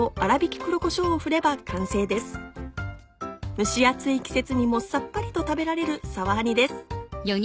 蒸し暑い季節にもさっぱりと食べられるサワー煮です。